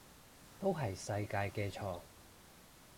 都係世界嘅錯